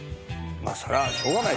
「それはしょうがない」